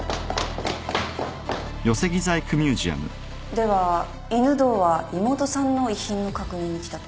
では犬堂は妹さんの遺品の確認に来たと。